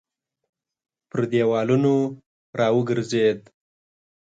پر دېوالونو راوګرځېد.